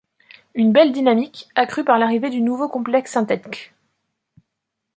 Une belle dynamique, accrue par l'arrivée du nouveau complexe synthétque.